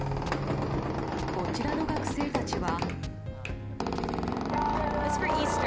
こちらの学生たちは。